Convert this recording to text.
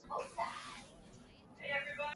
I came out of ambush.